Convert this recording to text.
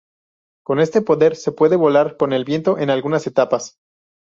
Con este poder, se puede volar con el viento en algunas etapas.